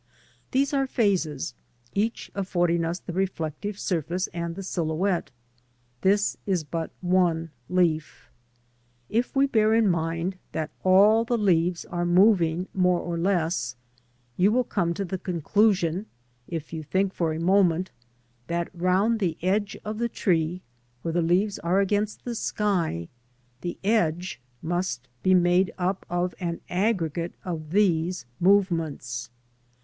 These are phases, each affording us the reflective surface and the silhouette; this is but one leaf. If we bear in mind that all the leaves are moving more or less, you will come to the conclusion, if you think for a moment, that round the edge of the tree where the leaves are against the sky, the edge must be made up of an aggregate of these movements.